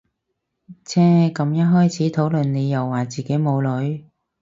唓咁一開始討論你又話自己冇女